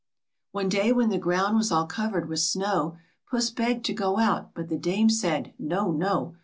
One day when the ground was all covered with snow, Puss begged to go out, but the Dame said " No, no!